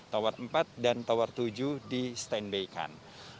tower empat dan tower tujuh disetanbaikan